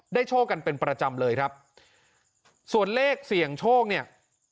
โชคกันเป็นประจำเลยครับส่วนเลขเสี่ยงโชคเนี่ย